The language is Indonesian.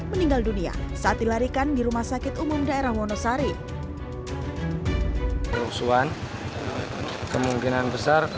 meninggal dunia saat dilarikan di rumah sakit umum daerah wonosari kerusuhan kemungkinan besar